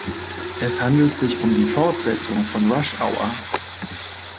Es handelt sich um die Fortsetzung von Rush Hour.